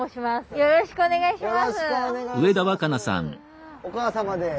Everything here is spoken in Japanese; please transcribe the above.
よろしくお願いします。